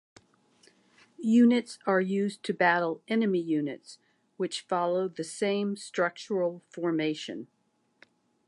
Units are used to battle enemy units, which follow the same structural formation.